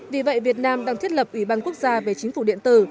vì vậy việt nam đang thiết lập ủy ban quốc gia về chính phủ điện tử